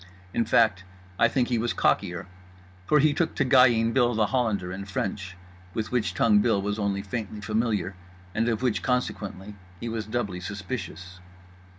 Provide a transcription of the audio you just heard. In fact I think he was cockier; for he took to guying Bill The Hollander in French, with which tongue Bill was only faintly familiar and of which, consequently, he was doubly suspicious.